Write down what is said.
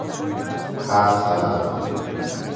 هفت قلم